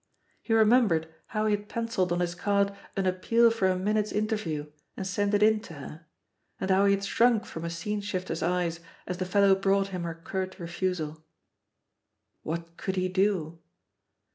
He remembered how he had pencilled on his card an appeal for a min ute's interview and sent it in to her, and how he had shrunk from a scene shifter's eyes as the fellow brought him her curt refusal. "What could he do?"